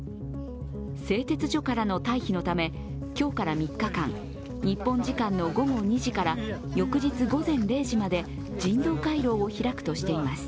製鉄所からの退避のため今日から３日間日本時間の午後２時から翌日午前０時まで人道回廊を開くとしています。